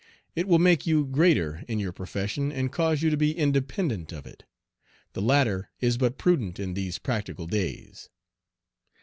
It will make you greater in your profession and cause you to be independent of it. The latter is but prudent in these practical days.